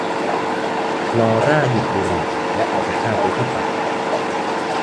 ลอร่าหยิบบุหรี่และเอาไปคาบไว้ที่ปาก